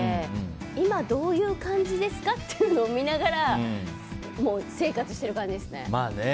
今どういう感じですか？というのを見ながら生活している感じですね。